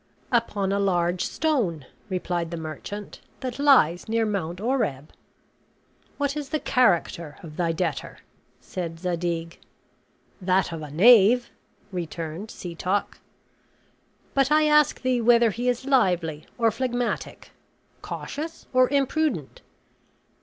"Upon a large stone," replied the merchant, "that lies near Mount Oreb." "What is the character of thy debtor?" said Zadig. "That of a knave," returned Setoc. "But I ask thee whether he is lively or phlegmatic, cautious or imprudent?"